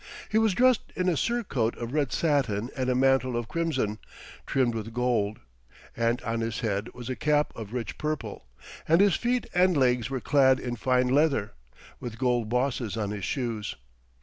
He was dressed in a surcoat of red satin and a mantle of crimson, trimmed with gold; and on his head was a cap of rich purple, and his feet and legs were clad in fine leather, with gold bosses on his shoes.